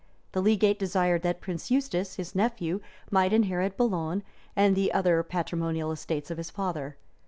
The legate desired that Prince Eustace, his nephew, might inherit Boulogne and the other patrimonial estates of his father.